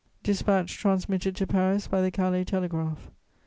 "Dispatch transmitted to Paris by the Calais telegraph.